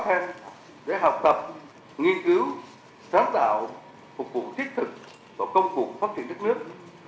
thức khó khăn để học tập nghiên cứu sáng tạo phục vụ thiết thực và công cụ phát triển đất nước